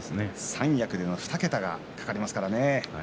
三役での２桁がかかりますからね。